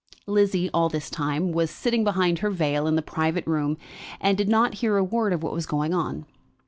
Lizzie, all this time, was sitting behind her veil in the private room, and did not hear a word of what was going on.